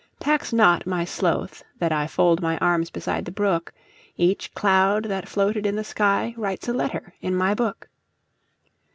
Tax not my sloth that IFold my arms beside the brook; Each cloud that floated in the skyWrites a letter in my book.